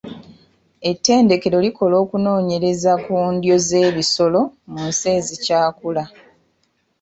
Ettendekero likola okunoonyereza ku ndyo z'ebisolo mu nsi ezikyakula.